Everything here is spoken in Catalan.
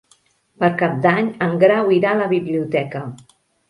Per Cap d'Any en Grau irà a la biblioteca.